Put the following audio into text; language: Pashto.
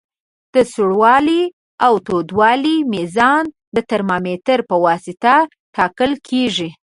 د سوړوالي او تودوالي میزان د ترمامتر پواسطه ټاکل کیږي.